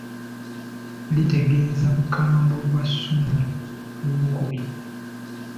Litegeeza bukambwe bwa Ssuuna II.